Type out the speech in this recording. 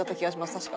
確か。